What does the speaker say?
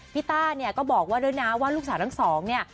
ต้าเนี่ยก็บอกว่าด้วยนะว่าลูกสาวทั้งสองเนี่ย